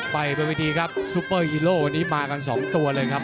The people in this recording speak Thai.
ไปบริเวณพิวเตอร์ฮีโรวันนี้มากัน๒ตัวเลยครับ